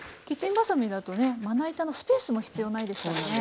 キッチンばさみだとねまな板のスペースも必要ないですからね。